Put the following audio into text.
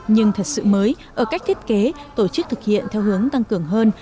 nhưng thật sự mới ở cách thiết kế tổ chức thực hiện theo hướng tăng cường hơn